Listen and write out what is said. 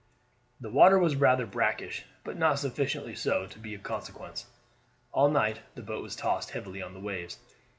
The water was rather brackish, but not sufficiently so to be of consequence. All night the boat was tossed heavily on the waves.